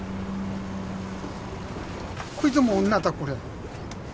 こいつも女だこれ。